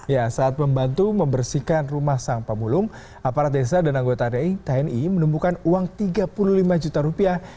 ya saat membantu membersihkan rumah sang pemulung aparat desa dan anggota di tni menemukan uang tiga puluh lima juta rupiah